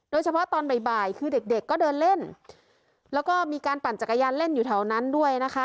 ตอนบ่ายคือเด็กเด็กก็เดินเล่นแล้วก็มีการปั่นจักรยานเล่นอยู่แถวนั้นด้วยนะคะ